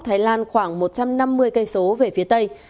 thái lan khoảng một trăm năm mươi km về phía tây